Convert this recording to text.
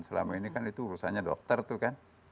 selama ini kan itu urusannya dokter tuh kan